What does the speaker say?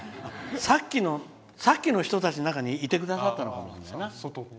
さっきの人たちの中にいてくださったのかもしれない。